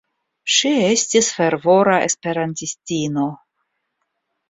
Ŝi estis fervora esperantistino.